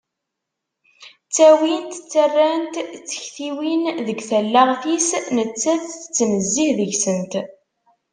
Ttawint ttarrant tektiwin deg tallaɣt-is netta-t tettnezzih deg-sent.